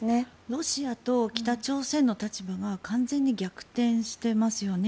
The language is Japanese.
ロシアと北朝鮮の立場が完全に逆転してますよね。